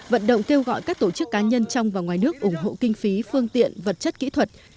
vận động kêu gọi các tổ chức cá nhân trong và ngoài nước ủng hộ kinh phí phương tiện vật chất kỹ thuật